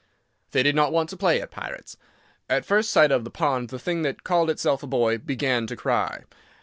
They did not want to play at pirates. At first sight of the pond the thing that called itself a boy began to cry.